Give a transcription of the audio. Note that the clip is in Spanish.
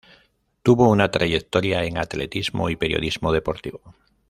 Tuvo una trayectoria en atletismo y periodismo deportivo.